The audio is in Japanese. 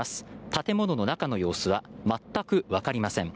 建物の中の様子は全くわかりません。